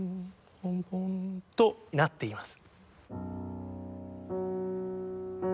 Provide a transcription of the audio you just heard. ポンポンとなっています。